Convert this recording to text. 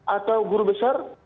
atau guru besar